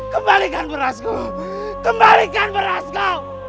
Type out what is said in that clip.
kembalikan berasku kembalikan berasku